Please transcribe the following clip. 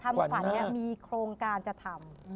แต่ถ้าแหล่มาแหล่มาทำขวัญมีโครงการจะทำ